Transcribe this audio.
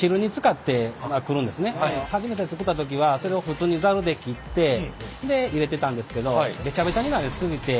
初めて作った時はそれを普通にザルで切ってで入れてたんですけどベチャベチャになり過ぎて。